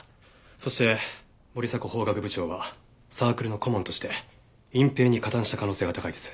そして森迫法学部長はサークルの顧問として隠蔽に加担した可能性が高いです。